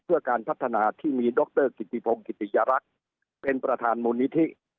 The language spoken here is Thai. เพื่อการพัฒนาที่มีดรกิติพงศ์กิติยรักษ์เป็นประธานมูลนิธิ